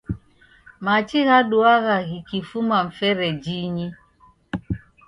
Machi ghaduagha ghikifuma mferejinyi